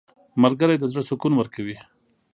• ملګری د زړه سکون ورکوي.